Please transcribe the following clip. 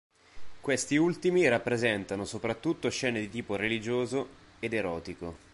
Questi ultimi rappresentano soprattutto scene di tipo religioso ed erotico.